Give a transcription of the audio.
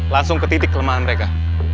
langsung ke titik kelemahan mereka